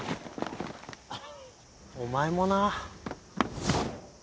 お前もな。